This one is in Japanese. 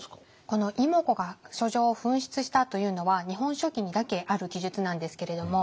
この妹子が書状を紛失したというのは「日本書紀」にだけある記述なんですけれども。